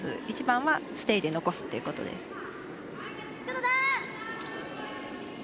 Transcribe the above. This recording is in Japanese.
一番はステイで残すということです。